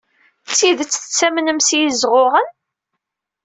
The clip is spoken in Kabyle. D tidet tettamnem s yizɣuɣen?